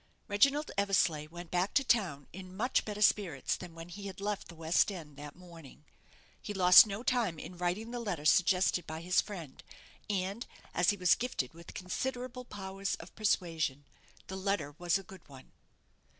Reginald Eversleigh went back to town in much better spirits than when he had left the West end that morning. He lost no time in writing the letter suggested by his friend, and, as he was gifted with considerable powers of persuasion, the letter was a good one.